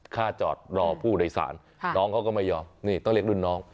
จอดรอผู้โดยสารน้องเขาก็ไม่ยอมนี่ต้องเรียกรุ่นน้อง